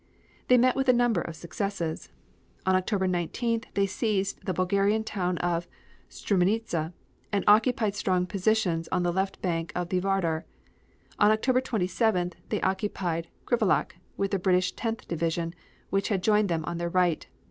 They met with a number of successes. On October 19th they seized the Bulgarian town of Struminitza, and occupied strong positions on the left bank of the Vardar. On October 27th they occupied Krivolak, with the British Tenth Division, which had joined them on their right.